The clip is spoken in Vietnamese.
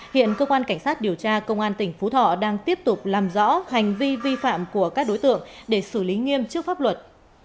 hiện cơ quan cảnh sát điều tra công an tỉnh phú thọ đang tiếp tục làm rõ hành vi vi phạm của các đối tượng để xử lý nghiêm trước pháp luật